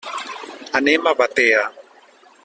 Anem a Batea.